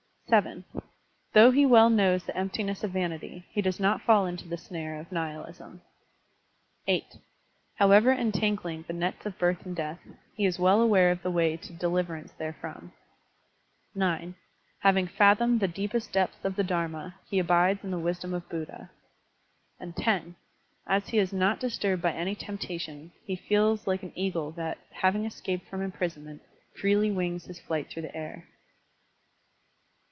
(7) Though he well knows the emptiness of vanity, he does not fall into the snare of nihilism. (8) However entangling the nets of birth and death, he is well aware of the way to deliverance there from. (9) Having fathomed the deepest depths Digitized by Google PRACTICE OF DHYANA 1 55 of the Dharma, he abides in the wisdom of Buddha. (lo) As he is not disturbed by any temptation, he feels like an eagle that, having escaped from imprisonment, freely wings his flight through the air.